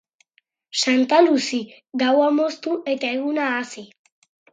Santa Luzi: gaua moztu eta eguna hazi.